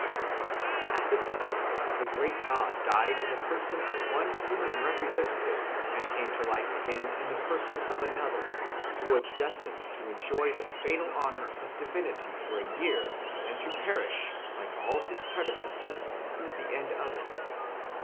At this festival the great god died in the person of one human representative and came to life again in the person of another, who was destined to enjoy the fatal honour of divinity for a year and to perish, like all his predecessors, at the end of it.